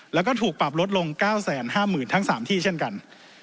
แล้วก็ถูกปรับลดลง๙๕๐๐๐ทั้ง๓ที่เช่นกัน